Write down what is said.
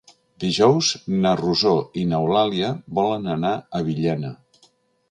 Dijous na Rosó i n'Eulàlia volen anar a Villena.